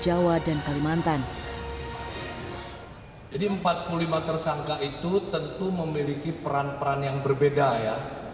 jadi empat puluh lima tersangka itu tentu memiliki peran peran yang berbeda ya